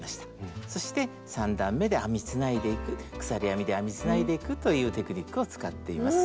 そして３段めで編みつないでいく鎖編みで編みつないでいくというテクニックを使っています。